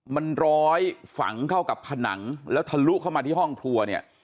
มันร้อยฝังเข้ากับผนังแล้วทะลุเข้ามาที่ห้องครัวเนี่ย